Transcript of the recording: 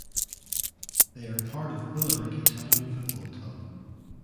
They are part of Billericay Town Football Club.